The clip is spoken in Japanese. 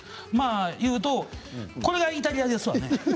いうとこれがイタリアですがね。